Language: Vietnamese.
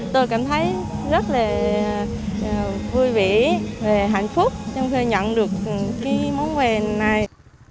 tôi cảm thấy rất là vui vẻ và hạnh phúc trong khi nhận được cái món quà này